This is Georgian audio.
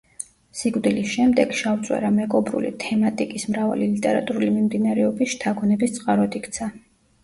სიკვდილის შემდეგ, შავწვერა მეკობრული თემატიკის მრავალი ლიტერატურული მიმდინარეობის შთაგონების წყაროდ იქცა.